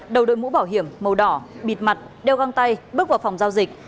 đầu đội mũ bảo hiểm màu đỏ bịt mặt đeo găng tay bước vào phòng giao dịch